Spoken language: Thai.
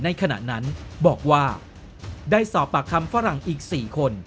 ขณะนั้นบอกว่าได้สอบปากคำฝรั่งอีก๔คน